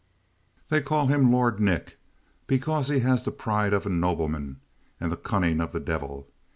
They call him Lord Nick because he has the pride of a nobleman and the cunning of the devil.